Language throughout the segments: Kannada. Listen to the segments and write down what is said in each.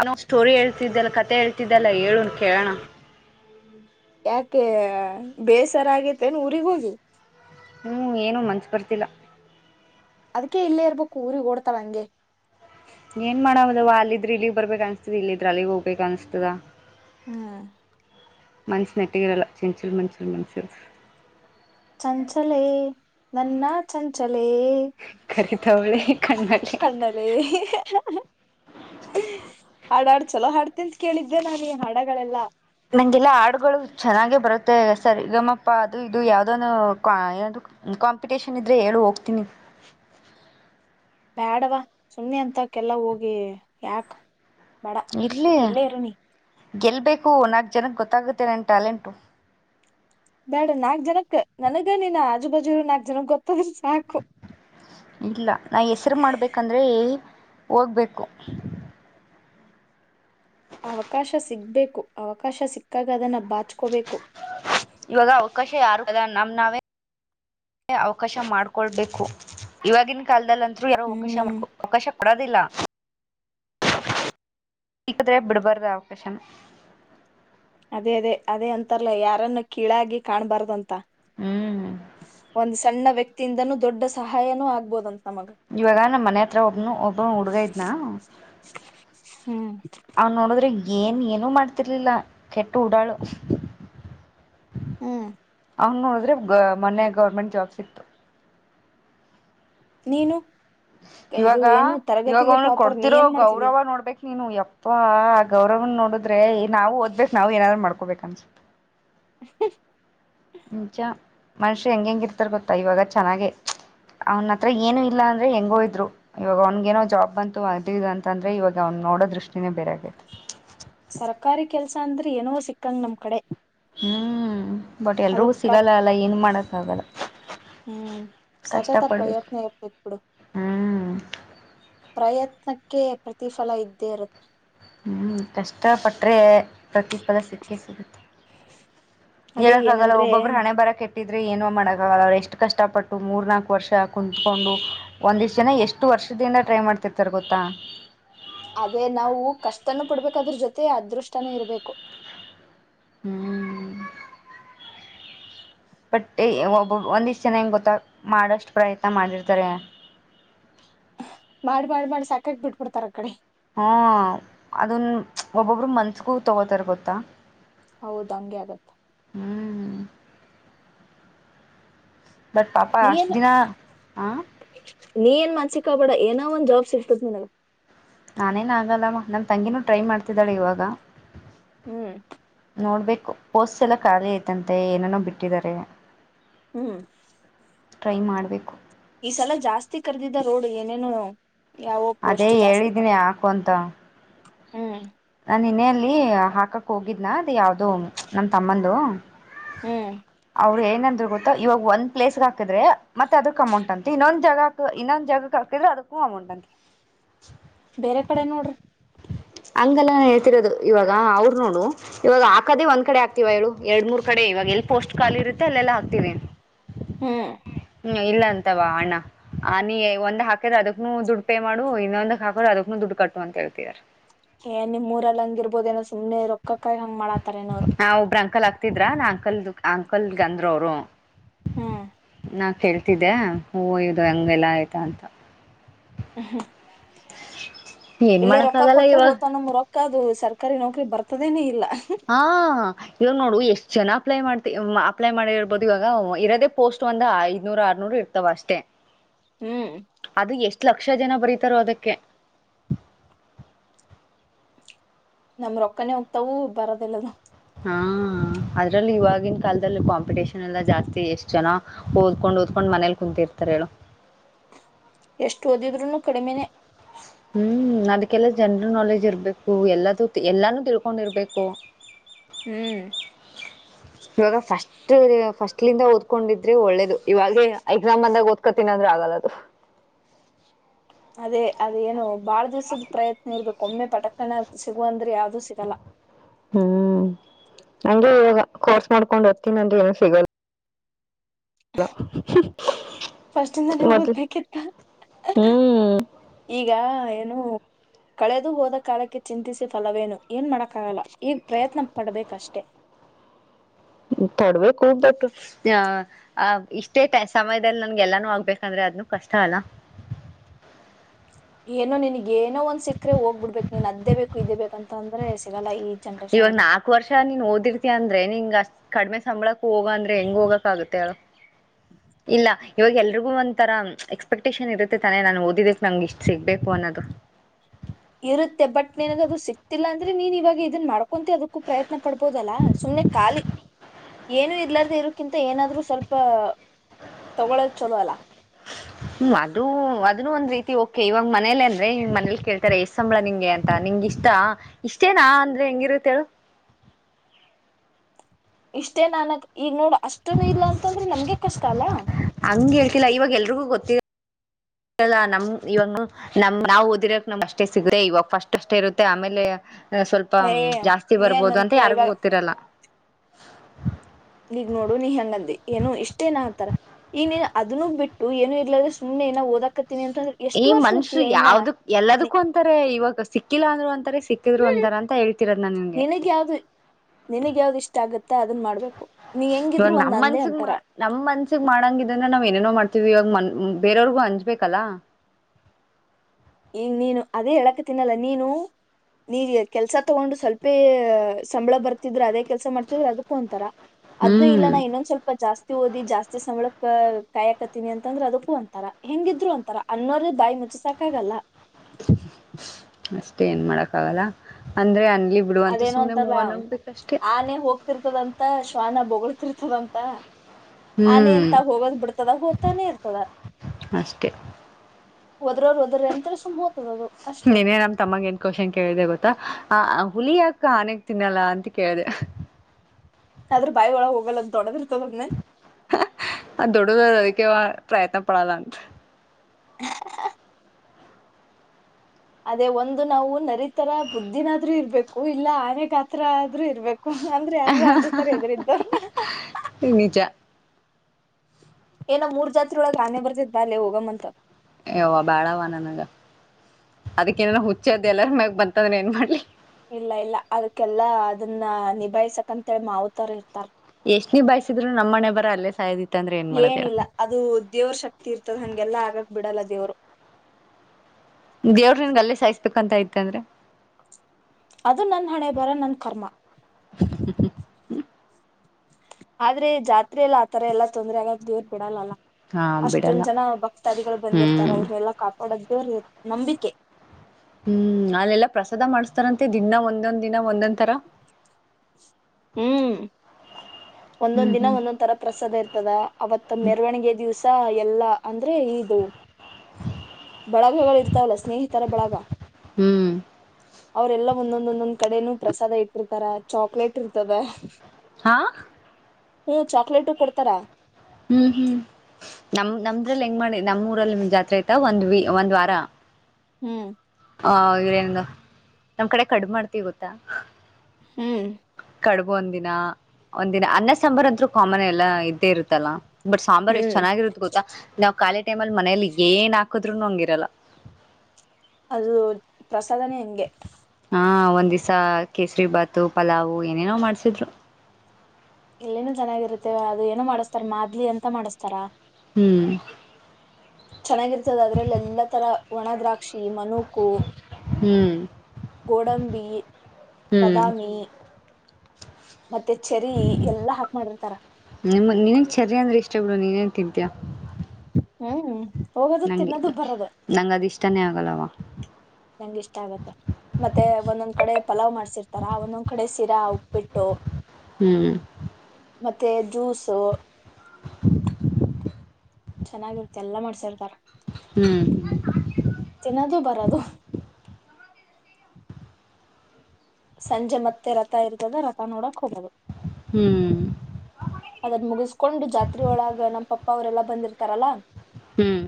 ಅನೋ ಸ್ಟೋರಿ ಹೇಳ್ತಿದ್ದಲ್ಲ ಕತೆ ಹೇಳ್ತಿದ್ದಲ್ಲ ಹೇಳು ಕೇಳೋಣ ಯಾಕೆ ಬೇಸರ ಆಗೇತೆೇನ್ ಊರಿಗ್ ಹೋಗಿ ಹು ಏನು ಮನ್ಸು ಬರ್ತಿಲ್ಲ ಅದಕ ಇಲ್ಲೇ ಇರ್ಬೇಕು ಊರಿಗೇ ಓಡ್ತಳ ಹಂಗೆ ಏನ್ ಮಾಡದವ್ವ ಅಲ್ಲಿದ್ರೆ ಇಲ್ಲಿಗ ಬರ್ಬೇಕ ಅನ್ಸ್ತದ ಇಲ್ಲಿದ್ರೆ ಅಲ್ಲಿ ಹೋಗ್ಬೇಕ ಅನ್ಸ್ತದ ಹ್ಮ್ ಮನಸ್ಸು ನಟ್ಟಿಗಿರಲ್ಲ ಚಂಚಲ ಮಂಚಲ್ ಮನಸ್ಸು ಚಂಚಲೆ ನನ್ನ ಚಂಚಲೆ ಕರಿತಾವಳೆ ಕಣ್ಣಲ್ಲಿ ಕಣ್ಣಲ್ಲಿ ಹಾಡಾಡ್ತ ಚಲೋ ಹಾಡ್ತಿ ಅಂತ ಕೇಳಿದ್ದೆ ನಾನ್ ಈ ಹಾಡಗಳೆಲ್ಲಾ ನಂಗೆಲ್ಲ ಹಾಡುಗಳು ಚೆನ್ನಾಗೆ ಬರುತ್ತೆ ಸ ರಿ ಗ ಮಾ ಪಾ ಅದು ಇದು ಯಾವ್ದಂದು ಏನದು ಕಾಂಪಿಟೇಷನ್ ಇದ್ರೆ ಹೇಳು ಹೋಗ್ತೀನಿ ಬ್ಯಾಡವಾ ಸುಮ್ನೆ ಅಂತಕ್ಕೆಲ್ಲ ಹೋಗಿ ಯಾಕ್ ಬೇಡ ಎಲ್ಲೇಇರುನಿ ಗೆಲ್ಲಬೇಕು ನಾಲ್ಕು ಜನಕ್ಕೆ ಗೊತ್ತಾಗುತ್ತೆ ನನ್ನ ಟ್ಯಾಲೆಂಟು ಬೇಡ ನಾಕ್ ಜನಕ್ ನನಗೆ ನೀನ್ ಆಜು ಬಾಜೂರು ನಾಕ್ ಜನಕ್ ಗೊತ್ತಾ ಇಲ್ಲ ನಾ ಹೆಸರು ಮಾಡ್ಬೇಕಂದ್ರೆ ಹೋಗ್ಬೇಕು ಅವಕಾಶ ಸಿಗ್ಬೇಕು ಅವಕಾಶ ಸಿಕ್ಕಾಗ ಅದನ್ನ ಬಾಚ್ಕೋಬೇಕು ಇವಾಗ ಅವಕಾಶ ಯಾರು ನಮ್ ನಾವೇ ಅವಕಾಶ ಮಾಡ್ಕೊಳ್ಬೇಕು ಇವಾಗಿನ ಕಾಲದಲ್ಲಿಂತ ಯಾರೋ ಅವಕಾಶ ಹ್ಮ್ ಅವಕಾಶ ಕೊಡೋದಿಲ್ಲ ಸಿಕ್ಕಿದ್ರೆ ಬಿಡ್ಬಾರ್ದ ಅವಕಾಶನ ಅದೇ ಅದೇ ಅದೇ ಅಂತಾರಲ್ಲ ಯಾರನ್ನ ಕೀಳಾಗಿ ಕಾಣ್ಬಾರ್ದ ಅಂತ ಹ್ಮ್ ಒಂದ್ ಸಣ್ಣ ವ್ಯಕ್ತಿಯಿಂದನೂ ದೊಡ್ಡ ಸಹಾಯನೂ ಆಗ್ಬೋದಂತ ನಮಗ ಇವಾಗ ನಮ್ಮ್ ಮನೆ ಹತ್ರ ಒಬ್ನ ಒಬ್ಬ ಹುಡುಗ ಇದ್ನ ಹ್ಮ್ ಅವನ್ ನೋಡದ್ರೆ ಏನ್ ಏನೂ ಮಾಡ್ತಿರ್ಲಿಲ್ಲ ಕೆಟ್ಟು ಉಡಾಳು ಹ್ಮ್ ಅವಂಗ ನೋಡಿದ್ರೆ ಮೊನ್ನೆ ಗೌರ್ಮೆಂಟ್ ಜಾಬ್ ಸಿಕ್ತು ನೀನು ಇದು ಇವಾಗ ಏನು ಇವಾಗ ತರಗತಿಗೆ ಅವನು ಟಾಪರ್ ನೀ ಕೊಡ್ತಿರೋ ಏನ್ ಮಾಡ್ತಿದೀಯ ಗೌರವ ನೋಡ್ಬೇಕ ನೀನು ಯಪ್ಪ ಆ ಗೌರವನ ನೋಡಿದ್ರೆ ನಾವು ಓದ್ಬೇಕು ನಾವು ಏನಾದ್ರು ಮಾಡ್ಕೋಬೇಕ ಅನ್ಸ [inaudible] ನಿಜ ಮನುಷ್ಯ ಹೆಂಗ ಹೆಂಗ ಇರ್ತಾರ ಗೊತ್ತಾ ಇವಾಗ ಚೆನ್ನಾಗೆ ಅವನ ಹತ್ರ ಏನು ಇಲ್ಲ ಅಂದ್ರೆ ಹೆಂಗೋಯಿದ್ರು ಇವಾಗ ಅವನ್ಗ ಏನೋ ಜಾಬ್ ಬಂತು ಅದು ಇದು ಅಂತ ಅಂದ್ರೆ ಇವಾಗ ಅವ್ನು ನೋಡೋ ದೃಷ್ಟಿನೇ ಬೇರೆ ಆಗೈತಿ ಸರ್ಕಾರಿ ಕೆಲ್ಸ ಅಂದ್ರೆ ಏನೋ ಸಿಕ್ಕಂಗ ನಮ್ ಕಡೆ ಹು ಬಟ್ ಎಲ್ರಿಗೂ ಅದಕ್ ಪ್ರ ಸಿಗಲ್ಲ ಅಲ್ಲ ಏನು ಮಾಡೋಕ್ಕಾಗಲ್ಲ ಹ್ಮ್ ಸತತ ಪ್ರಯತ್ನ ಇರಬೇಕು ಬಿಡು ಹ್ಮ್ ಪ್ರಯತ್ನಕ್ಕೆ ಪ್ರತಿಫಲ ಇದ್ದೇ ಇರುತ್ತೆ ಹ್ಮ್ ಕಷ್ಟಪಟ್ರೆ ಪ್ರತಿಫಲ ಸಿಕ್ಕೆ ಸಿಗುತ್ತೆ ಅದೇ ಹೇಳಕ್ಕಾಗಲ್ಲ ಏನಂದ್ರೆ ಒಬ್ಬೊಬ್ಬರು ಹಣೆಬಾರ ಕೆಟ್ಟಿದ್ರೆ ಏನೋ ಮಾಡಲ್ಲ ಅವರು ಎಷ್ಟು ಕಷ್ಟಪಟ್ಟು ಮೂರ್ ನಾಲ್ಕು ವರ್ಷ ಕುತ್ಕೊಂಡು ಒಂದದಿಷ್ಟು ಜನ ಎಷ್ಟು ವರ್ಷ ಎಸ್ಟು ದಿನದಿಂದ ಟ್ರೈ ಮಾಡ್ತಿರ್ತಾರೆ ಗೊತ್ತಾ ಅದೇ ನಾವು ಕಷ್ಟನುೂ ಪಡ್ಬೇಕದ್ರ ಜೊತೆ ಅದೃಷ್ಟನೂ ಇರ್ಬೇಕು ಹೂ ಬಟ್ ಒಬ್ಬೊ ಒಂದ್ ಇಷ್ಟು ಜನ ಹೆಂಗ ಗೊತ್ತ ಮಾಡಷ್ಟು ಪ್ರಯತ್ನ ಮಾಡಿರ್ತಾರೆ ಹೂ ಮಾಡಿ ಸಾಕಕ್ ಬಿಟ್ಬಡ್ತಾರ ಅ ಕಡೆ ಹಾಅದುನ ಒಬ್ಬೊಬ್ಬರು ಮನ್ಸಗೂ ತಗೋತಾರ ಗೊತ್ತಾ ಹೌದು ಹಂಗೆ ಆಗೋದು ಹ್ಮ್ ಬಟ್ ಪಾಪ ನೀ ಅಷ್ಟ್ ದಿನ ಹ ನೀ ಮಾನ್ಸ್ ಕಬೇಡ ಏನೋ ಒಂದ ಜಾಬ್ ಸಿಗ್ತದ ನಿಿನಾಗ ನಾನೇನು ಆಗಲ್ಲಮ್ಮ ನಮ್ಮ ತಂಗಿನೂ ಟ್ರೈ ಮಾಡ್ತಿದ್ದಾಳೆ ಇವಾಗ ಹೂ ನೋಡ್ಬೇಕು ಪೋಸ್ ಎಲ್ಲ ಖಾಲಿ ಐತಂತೆ ಏನನೋ ಬಿಟ್ಟಿದಿದ್ದಾರೆ ಹೂ ಟ್ರೈ ಮಾಡ್ಬೇಕು ಈ ಸಲ ಜಾಸ್ತಿ ಕರ್ದಿದ್ದ ರೋಡ್ ಏನೇನು ಯಾವ ಅದೇ ಪೋಸ್ಟ್ ಜಾಸ್ತಿ ಕರ್ ಹೇಳಿದ್ದೀನಿ ಯಾಕು ಅಂತ ಹ್ಮ್ ನಾ ನಿನ ಅೆಯಲ್ಲಿ ಹಾಕಕ್ ಹೋಗಿದ್ನ ಅದು ಯಾವ್ದೋ ನಮ್ ತಮ್ಮಂದು ಹ್ಮ್ ಅವರು ಏನ್ ಏಂದ್ೆ ಗೊತ್ತ ಇವಾಗ ಒಂದ ಪ್ಲೇಸ್ಗೆ ಹಾಕ್ರೆ ಮತ್ತೆ ಅದಕ್ ಅಮೌಂಟ್ ಅಂತ ಇನ್ನೊಂದ ಜಾಗ ಇನ್ನೊಂದ ಜಾಗಕ್ ಹಾಕಿದ್ರೆ ಅದ್ಕು ಅಮೌಂಟ್ ಹಾಕ್ಬೇಕ್ ಅಂತೆ ಬೇರೆ ಕಡೆ ನೋಡ್ರಿ ಹಂಗಲ್ಲ ನಾ ಹೇಳ್ತಿರೋದು ಇವಾಗ ಅವ್ರ ನೋಡು ಇವಾಗ ಹಾಕದೆೇ ಒಂದ್ ಕಡೆ ಆಗ್ತಿವ ಎು ಎರಡ್ ಮೂರ್ ಕಡೆ ಇವಾಗ ಎಲ್ಲಿ ಪೋಸ್ಟ್ ಖಾಲಿ ಇರುತ್ತೆ ಅಲ್ಲೆಲ್ಲಾ ಹಾಕ್ತೀವಿ ಹ್ಮ್ ಹೂ ಇಲ್ಲ ಅಂತವಾ ಅಣ್ಣ ನೀ ಒಂದ ಹಾಕ್ರ ಅದಕ್ನು ದುಡ್ಡು ಪೇ ಮಾಡು ಇನ್ನೊಂದ ಹಕ್ರ ಅದಕ್ನು ಡ್ಡು ದುಡ್ಡು ಕಟ್ಟು ಅಂತ ಹೇಳ್ತಿದಿದ್ದಾರೆ ಏ ನಿಮ್ೂಊರಲ್ಲಿ ಹಂಗಿರ್ಬೋದ ನೋ ಸುಮ್ನೆ ರೊಕ್ಕಕ್ಕಾಗಿಿ ಹಂಗ ಮಾಡಾತಾರ ಏನೋ್ರು ಆ ಒಬ್ರು ಅಂಕಲ್ ಆಗ್ತಿದ್ರ ನಾ ಅಂಕಲ್ ಅಂಕಲ್ ಅಂದ್ರ ಅವ್ರು ಹೂ ನಾ ಕೇಳ್ತಿದ್ದೆ ಹೂ ಇದು ಹೆಂಗೆಲ್ಲ ಆಯ್ತಾ ಅಂತ ಹೂ ಏನ್ ಇಲ್ಲೇ ಮಾಡಕ್ ರೊಕ್ಕ ಆಗಲ್ಲ ಕೊಟ್ಟ ಇವಾಗ ಹೋತಾನ ರೊಕ್ಕ ಅ ಅದು ಸರ್ಕಾರಿ ನೌಕರಿ ಬರ್ತದೇನೇ ಇಲ್ಲ ಹಾ ಇವಾಗ ನೋಡು ಎಷ್ಟು ಚೆನ ಅಪ್ಲೈ ಮಾಡ್ತಿ ಅಪ್ಲೈ ಮಾಡಿರ್ಬೋದು ಇವಾಗ ಇರೋದೇ ಪೋಸ್ಟ್ ಒಂದ ಐದನೂರ್ ಆರ್ನೂರ್ ಇರ್ತವ ಅಷ್ಟೇ ಹ್ಮ್ ಅದು ಎಷ್ಟ ಲಕ್ಕ ಲಕ್ಷ ಜನ ಬರೀತಾರೋ ಅದಕ್ಕೆ ನಮ್ ರೊಕ್ಕನೆ ಹೋಗ್ತವು ಬರದಿಲ್ಲ ನ ಹಾ ಅದ್ರಲ್ಲಿ ಇವಾಗಿನ ಕಾಲದಲ್ಲಿ ಕಾಂಪಿಟೇಷನ್ ಎಲ್ಲಾ ಜಾಸ್ತಿ ಎಷ್ಟು ಜನ ಓದ್ಕೊಂಡ್ ಓದ್ಕೊಂಡ್ ಮನೇಲಿ ಕುಂತಿರ್ತಾರೆ ಹೇಳು ಎಷ್ಟು ಓದಿದ್ರುನು ಕಡಿಮೆನೆ ಹ್ಮ್ ಅದಕ್ಕೆಲ್ಲ ಜನ್ರಲ್ ಕ್ನೌಲೆಜ್ ಇರಬೇಕು ಎಲ್ಲದು ಎಲ್ಲಾನೂ ತಿಳ್ಕೊಂಡಿರ್ಬೇಕು ಹೂ ಹೂ ಇವಾಗ ಫಸ್ಟ್ ಫಸ್ಟ್ ಲಿಂದ ಓದ್ಕೊಂಡಿದ್ರೆ ಒಳ್ಳೇದು ಇವಾಗ ಎಕ್ಸಾಮ್ ಬಂದಾಗ ಓದ್ಕೋತೀನ ಅಂದ್ರೆ ಆಗ ಏನಾದ್ರು ಅದೇ ಅದೇನು ಬಾಳ ದಿವ್ಸದ ಪ್ರಯತ್ನ ಇರ್ಬೇಕು ಒಮ್ಮೆ ಸುಡ್ಡೆನ್ ಸಿಗು ಅಂದ್ರೆ ಯಾವ್ದೂ ಸಿಗಲ್ಲ ಹೂ ಹಂಗೆ ಇವಾಗ ಕೋರ್ಸ್ ಮಾಡ್ಕೊಂಡ್ ಹೊತೀನಿ ಅಂದ್ರೆ ಏನ ಸಿಗಲ್ ಫಸ್ಟ್ಿಂದ ನೀವು ಮೊದ್ಲು ಓದ್ಬೇಕಿತ್ತ ಹ್ಮ್ ಈಗ ಏ ಕಳೆದು ಹೋದ ಕಾಲಕ್ಕೆ ಚಿಂತಿಸಿ ಫಲವೇನು ಏನ್ ಮಾಡಕ್ಕಾಗಲ್ಲ ಈಗ ಪ್ರಯತ್ನ ಪಡ್ಬೇಕಷ್ಟೇ ತೊಡ್ಬೇಕು ಬಟ್ಟು ಆ ಇಷ್ಟೇ ಸಮಯದಲ್ಲಿ ನನ್ಗೆಲ್ಲಾನು ಆಗ್ಬೇಕಂದ್ರೆ ಾದನು ಕಷ್ಟ ಅಲ್ಲ ಏನೋ ನನ್ಗ್ ಏನೋ ಒಂದ್ ಸಿಕ್ಕ್ರೆ ಹೋಗ್ಬ ಬಿಡ್ಬೇಕು ನೀನ್ ಅದ್ದೇ ಬೇಕು ಇದೇ ಬೇಕ ಅಂತ ಅಂದ್ರೆ ಸಿಗಲ್ಲ ಈ ಜನ್ರೇಷನ್ ಇವಾಗ ಅಲ್ಲಿ ನಾಕ್ು ವರ್ಷ ನೀನ್ ಓದಿರ್ತಯ ಅಂದ್ರೆ ನಿನ್ ಕಡಿಮೆ ಸಂಬಳಕ್ಕ ಹೋಗ ಅಂದ್ರೆ ಹೆಂಗ್ ಹೋಗಕ್ ಆಗುತ್ತೆ ಅವು ಇಲ್ಲ ಇವಾಗ ಎಲ್ರಿಗೂ ಒಂಥರ ಎಕ್ಸ್ಪೆಕ್ಟೇಷನ್ ಇರುತ್ತೆ ತಾನೇ ನಾನು ಓದಿದ ನಮ್ಗೆ ಇಷ್ಟ್ ಸಿಗ್ಬೇಕು ಅನ್ನೋದು ಹ [unintelligible] ಇರುತ್ತೆ ಬಟ್ ನನ್ಗ ಅದು ಸಿಕ್ತಿಲ್ಲ ಅಂದ್ರೆ ನೀನ್ ಇವಾಗ ಇದನ್ ಮಾಡ್ಕ ಕುಂತೆ ಅದಕ್ಕೂ ಪ್ರಯತ್ನ ಪಡ್ಬೋದಲ್ಲಾ ಸುಮಮ್ಮನೆ ಖಾಲಿ ಏನು ಇರ್ಲಾರ್ದ ಇರಕ್ಕಿಂತ ಏನಾದ್ರರು ಸ್ವಲ್ಪ ತಗೊಳೋದ ಚಲೋ ಅಲ್ಲ ಹ್ಮ್ ಅದು ಅದನ್ನು ಒಂದ ರೀತಿಓಕೆವ್ ಮನೇಲಿೇ ಅನ್್ರೀ ಮನೇಲಿ ಕೇಳ್ತಾರೆ ಎಸ್ ಸಂಬಳ ನಿಂಗೆ ಅಂತ ನೀ ಹೆಂಗ ಇಷ್ಟ ಇಷ್ಟೇನಾ ಅಂದ್ರೆ ಹೆಂಗಿರುತ್ತ ಹೇಳೇಳು ಇಷ್ಟೇ ನಾನಕ್ ಈಗ ನೋಡು ಅಷ್ಟನು ಇಲ್ಲ ಅಂತಂದ್ರೆ ನಮ್ಗೆ ಕಷ್ಟ ಅಲ್ಲಾ ಹಂಗ ಹೇಳ್ತಿಲ್ಲ ಇವಾಗ ಎಲ್ರಿಗೂ ಗೊತ್ತ ಲ್ಲ ನಮ್ ಇವಾಗ ನಮ್ ನಾ್ ಓದಿರಕ್ ನಮ್ ಅಷ್ಟೇ ಸಿಗದೆೆ ಇವಾಗ ಫಸ್ಟ್ ಅಷ್ಟೇ ಇರುತ್ತೆ ಆಮೇಲೆ ಸ್ವಲ್ಪ ಏ ಜಾಸ್ತಿ ನೀ ಬರ್ಬೋದು ಅಂತ ಹಂಗಂತಿಯ ಇವಾಗ ಯಾರಿಗೂ ಗೊತ್ತಿರಲ್ಲ ಈಗ ನೋಡು ನೀ ಹೆಂಗಂದಿ ಏನು ಇಷ್ಟೇನ ಅಂತಾರ ಈಗ ನೀನ್ ಅದನ್ನು ಬಿಟ್ಟು ಏನು ಇಲ್ಲದ್ರೆ ಸು್ನೆಏನ ಓದಕ ಈ ಮನುಷ್ಯ ಯಾವ್ದಕ್ ಎಲ್ಲದಕ್ಕೂ ಅಂತಾರೆ ಇವಾಗ ಸಿಕ್ಕಿಲ್ಲ ಅಂದ್ರು ಒಂತಾರೆ ಸಿಕ್ ಿದ್ರು ಒಂದರ ಅಂತ ಹೇಳ್ತಿರೋದ್ ನಾ ನಿಮಗೆ ನಿನಗ್ ಯಾವ್ದು ನಿನಗ್ ಯಾವ್ದ್ ಇಷ್ಟ ಆಗತ್ತ ಅದನ್ ಮಾಡ್ಬೇಕು ನೀ ಇವಾಗ ಹೆಂಗಿದ್ರು ಒಂದ್ ನಮ್ ಅಂದೆ ಮನ್ಸಿಗ್ ಅಂತಾರ ನಮ್ ಮನ್ಸಿಗೆ ಮಾಡಂಗಿದಂದ್ರೆ ನಾವ್ ಏನೇನೋ ಮಾಡ್ತವಿ ಇವಾಗ ಮ ಬೇರೆಯವ್ರಗೂ ಹಂಜಬೇಕಲ್ಲ ನೀನು ಅದೇ ಹೇಳಕ ತಿನ್ನಲ್ಲ ನೀನು ನೀವ ಕೆಲ್ಸ ತಗೊಂಡು ಸ್ವಲ್ಪೇ ಸಂಬಳ ಬರ್ತಿದ್ರೆ ಅದೇ ಕೆಲ್ಸ ಮಾಡ್ತಿದ್ರೆ ಅದಕ್ಕ ಒಂತರ ಅದ ಹ್ಮ್ ಇಲ್ಲ ನಾ ಇನ್ನೊಂದ್ ಸ್ವಲ್ಪ ಜಾಸ್ತಿ ಓದಿ ಜಾಸ್ತಿ ಸಂಬಳ ಕಾಯಾಕತ್ತ ಿನಿ ಅಂತಂದ್ರೆ ಅದಕ್ಕೂ ಒಂತರ ಹೆಂಗಿದ್ರು ಒಂತರ ಅನ್ನೋ್ರ ಬಾಯಿ ಮುಚ್ಚು ಸಾಕಾಗಲ್ಲ ಅಷ್ಟೇ ಏನ್ ಮಾಡಕ್ಕ ಆಗಲ್ಲ ಅಂದ್ರೆ ಅ ಅದೇನು ಅಂತಲ್ಲ ಆನೆ ಹೋಗ್ತಿರ್ತದಂತ ಶ್ವಾನ ಬಳ್ತಿರ್ತದಂತ ಆನೆ ಹ್ಮ್ ಎಂತ ಹೋಗೋದ್ ಬಿಡ್ತದ ಹೋಗ್ತಾನೆ ಇರ್ತದ ಅಷ್ಟೆ ಹದ್ರರ್ರುದ್ರ ಎಂತ ಸುಮ್ ಹ್ತದ ಅದು ಅಷ್ಟೇ ನನೇ ನಮ್ ತಮ್ಮಗೆ ಏನ್ ಕ್ವನ್ ಕೇಳಿದೆ ಗೊತ್ತಾ ಹುಲಿಿಯಾಕ ಆನೆಕ್ ತಿನ್ನಲ್ಲ ಅಂತ ಕೇಳ್ದ ಆದದ್ರ ಬಾಯಿ ಒಳ ಹೋಗಲ್ಲ ಅಂತ ದೊಡದರ್ತದ್ನೆ ಅ ದೊಡುದ ಅದಕ್ಕೆ ಪ್ರಯತ್ನ ಪಡಲ್ಲಂತ ಅದೇ ಒಂದು ನಾವು ನರಿತರ ಬುದ್ಧಿನಾದ್ರೂ ಇರ್ಬೇಕು ಇಲ್ಲ ಆನೆಗಾತ್ರ ್ರು ಇರ್ಬೇಕು ಅಂದ್ರೆ ಯಾರ ಅಂಜತಾರ ಹೆದ್ರಿದ್ದು ನಿಜ ಏನೋ ಮೂರ್ ಜಾತ್ೆಯೊಳಗ ಆಾನನೆ ಬರ್ದಿದ್ದಳೆ ಹೋಗ ಮಂತ ವ ಬಾಳಾವನನಗ ಅದಕ್ಕ ಏನ ಹುಚ್ಚದ್ದ ಎಲ್ಲಾರರ ಮ್ಯಾಗ ಬಂತಂದ್ರೆ ಏನ್ ಮಾಡ್ಲಿ ಇಲ್ಲ ಇಲ್ಲ ಅದಕ್ಕೆಲ್ಲಾ ಅದನ್ನ ನಿಭಾಯ್ಸಕ್ಂತೇಳಿ ಮಾವತರ್ ಇರ್ತಾರ ಎಷ್ಟು ನಿ ಬಸಿದ್ರು ನಮ್ಮನೆ ಬರ ಅಲ್ಲೇ ಸಾಯದಿತ್ತು ಏನಿಲ್ಲ ಅದು ದೇವ್ರ ಶಕ್ತಿ ಇರ್ತದ ಹಂಗೆಲ್ಲ ಆಗಕ್ ಬಿಡಲ್ಲ ದೇವ್ರು ಇಕ್ಕಂತ ಇಯ್ತ ಅಂದ್ರೆ ಅದು ನನ್ ಹಣೆ ಬರ ನನ್ ಕರ್ಮ ಆದ್ರೆ ಜಾತ್ರೆ ಎಲ್ಲ ಆತರ ಎಲ್ಲಾ ತೊಂದ್ರ ಆಗ ದೇವರ್ ಬಿಡಲ್ಲಲ್ಲ ಹಾ ಬಿಡಲ್ಲ ಅಷ್ಟೊಂದ ಜನ ಭಕ್ತಾದಿಗಳು ಬಂದಿರ್ತಾರ ಹ್ಮ್ ಅವ್ರನ್ನೆಲ್ಲಾ ಕಾಪಾಡೋದ ನಂಬಿಕೆ ಹ್ಮ್ ಅಲ್ಲೆಲ್ಲಾ ಪ್ರಸಾದ ಮಾಡಸ್ತಾರಂತೆ ದಿನ ಒಂದೊಂದ್ ದಿನ ಒಂದೊಂದ್ ತರ ಹ್ಮ್ ಒಂದೊಂದ್ ಹ್ಮ್ ದಿನ ಹ್ಮ್ ಒಂದೊಂದ್ ತರ ಪ್ರಸಾದ ಇರ್ತದ ಅವತ್ ಮೆರವಣಿಗೆ ದಿವ್ಸ ಎಲ್ಲಾ ಅಂದ್ರೆ ಇದು ಬಳಗಗಳು ಇರ್ತಾವಲ್ಲ ಸ್ನೇಹಿತರ ಬಳಗ ಹ್ಮ್ ಅವ್ರೆಲ್ಲಾ ಒಂದೊಂದೊಂದೊಂದ್ ಕಡೆನೂ ಪ್ರಸಾದ ಇಟ್ಟಿರ್ತಾರೆ ಚಾಕ್ಲೇಟ್ ಇರ್ತದೆ. ಹಾ ಹು ಚಾಕ್ಲೇಟು ಕೊಡ್ತಾರಾ. ಹ್ಮ್ ಹ್ಮ್ ನಮ ನಮ್ರ್ದಲ್ಲಿ ಹೆಂಗ ಮಾಡಿ ನಮ್ಊರಲ್ಲಿ ಜಾತ್ರೆ ಆಯ್ತ ಒಂದ್ ವ ಒಂದ್ ವಾರ. ಹ್ಮ್ ಹ ಇದೇನಿದು ನಮ್ ಕಡೆ ಕಡುಬು ಮಾಡ್ತೀವಿ ಗೊತ್ತಾ. ಹ್ಮ್ ಕಡುಬು ಒಂದು ದಿನ ಒಂದಿನ ಅನ್ನ ಸಾಂಬಾರು ಅಂದ್ರು ಕಾಮನ್ ಎಲ್ಲಾ ಇದ್ದೇ ಇರುತ್ತಲ್ಲ. ಬಟ್ ಸಾಂಬಾರ್ ಎಷ್ಟ್ ಹ್ಮ್ ಚೆನ್ನಾಗಿರುತ್ತೆ ಗೊತ್ತಾ ನಾವ್ ಕಾಲಿ ಟೈಮಲ್ಲಿ ಮನೇಲಿ ಏನ್ ಹಾಕುದ್ರುನು ಹಂಗಿರಲ್ಲ ಅದು ಪ್ರಸಾದನೇ ಹಂಗೆ. ಹಾ ಒಂದ್ ದಿಸ ಕೇಸರಿ ಬಾತು ಪಲಾವು ಏನೇನೋ ಮಾಡ್ಸಿದ್ರು. ಎನು ಚೆನ್ನಾಗಿರುತ್ತೆ ಅದು ಏನೋ ಮಾಡುಸ್ತಾರೆ ಮಾದ್ಲಿ ಅಂತ ಮಾಡಸ್ತಾರ. ಹ್ಮ್ ಚೆನ್ನಾಗಿರ್ತದ ಅದ್ರಲ್ಲು ಎಲ್ಲಾ ತರ ಒಣ ದ್ರಾಕ್ಷಿ ಮನೂಕು ಹ್ಮ್ ಗೋಡಂಬಿ ಹ್ಮ್ ಬಾದಾಮಿ ಮತ್ತೆ ಚೆರಿ ಎಲ್ಲಾ ಹಾಕ್ ಮಾಡಿರ್ತಾರ ನೀವಾ ನೀವು ಚರಿ ಅಂದ್ರೆ ಏ ಅಷ್ಟು ಏನು ತಿಂತ್ಯಾ. ಹಾವೋ ನಂಗೆ ನಂಗೆ ಅದು ಇಷ್ಟಾನೇ ಆಗಲ್ಲವಾ. ನಂಗ್ ಇಷ್ಟ ಆಗತ್ತೆ ಮತ್ತೆ ಒಂದೊಂದ್ ಕಡೆ ಪಲಾವ್ ಮಾಡ್ಸಿರ್ತಾರ ಒಂದೊಂದ್ ಕಡೆ ಚಿರಾ ಉಪ್ಪಿಟ್ಟು ಹ್ಮ್ ಮತ್ತೆ ಜ್ಯೂಸು [unintelligible] ಚೆನ್ನಾಗಿರ್ತಿ ಎಲ್ಲಾ ಮಾಡ್ಸಿರ್ತಾರ. ಹ್ಮ್ ತಿನ್ನದು ಬರದು. ಸಂಜೆ ಮತ್ತೆ ರಥ ಇರ್ತದ ರಥ ನೋಡಕ್ ಹೋಗೋದು. ಹ್ಮ್ ಅದನ್ನ ಮುಗಿಸ್ಕೊಂಡು ಜಾತ್ರೆ ಒಳಗ ನಮ್ಮ ಪಪ್ಪ ಅವರೆಲ್ಲಾ ಬಂದಿರ್ತಾರಲ್ಲಾ. ಹ್ಮ್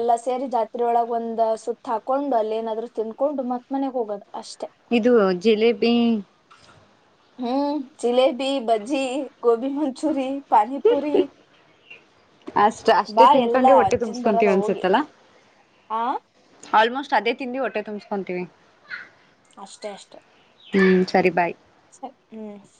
ಎಲ್ಲ ಸೇರಿ ಜಾತ್ರೆ ಒಳಗೆ ಒಂದ್ ಸುತ್ತು ಹಾಕೊಂಡು ಅಲ್ಲೇನಾದ್ರು ತಿನ್ಕೊಂಡು ಮತ್ ಮನೆಗ್ ಹೋಗೋದು ಅಷ್ಟೆ. ಇದು ಜಿಲೇಬಿ. ಹ್ಮ್ ಜಿಲೇಬಿ, ಬಜ್ಜಿ, ಗೋಬಿ ಮಂಚೂರಿ, ಪಾನಿಪುರಿ. ಅಷ್ಟ ಅಷ್ಟೇ ಬಾ ಎಲ್ಲಾ ತಿನ್ಕೊಂಡು ಹೊಟ್ಟೆ ತಿಂದ್ ಬರದ ತುಂಬಸ್ಕೊಂತೀವಿ ಹೋಗಿ ಅನ್ಸತ್ತಲ್ಲ. ಆ ಆಲ್ಮೋಸ್ಟ್ ಅದೇ ತಿಂದಿ ಹೊಟ್ಟೆ ತುಂಬಿಸ್ಕೊತೀವಿ. ಅಷ್ಟೇ ಅಷ್ಟೆ ಹ್ಮ್ ಸರಿ ಬಾಯ್, ಚೆಕ್ ಲೀವ್ಸ್